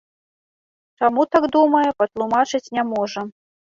Чаму так думае, патлумачыць не можа.